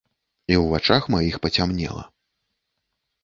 І ў вачах маіх пацямнела.